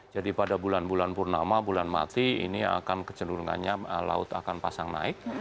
jadi pada bulan bulan purnama bulan mati ini akan kecenderungannya laut akan pasang naik